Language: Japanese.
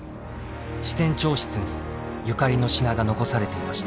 支店長室にゆかりの品が残されていました。